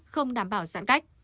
không đảm bảo giãn cách